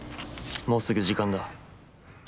もうすぐ時間だ。